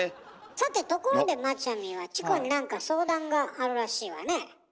さてところでマチャミはチコに何か相談があるらしいわね。